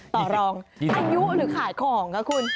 ต่อรองอายุหรือขายของคะคุณ